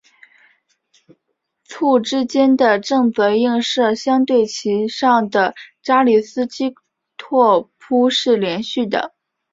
簇之间的正则映射相对其上的扎里斯基拓扑是连续的。